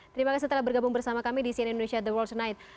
terima kasih telah bergabung bersama kami di sian indonesia the world tonight